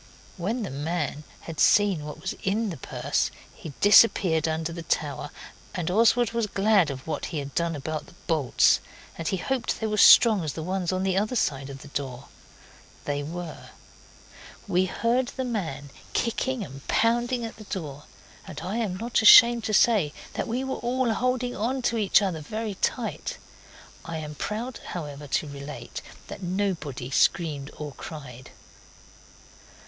When the man had seen what was in the purse he disappeared under the tower, and Oswald was glad of what he had done about the bolts and he hoped they were as strong as the ones on the other side of the door. They were. We heard the man kicking and pounding at the door, and I am not ashamed to say that we were all holding on to each other very tight. I am proud, however, to relate that nobody screamed or cried.